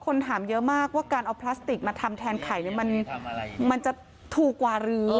คนถามเยอะมากว่าการเอาพลาสติกมาทำแทนไข่เนี่ยมันจะถูกกว่าหรือ